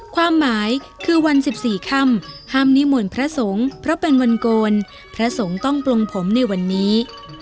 ความหมายคือวัน๑๔ค่ำห้ามนิมนต์พระสงฆ์เพราะเป็นวันโกนพระสงฆ์ต้องปลงผมในวันนี้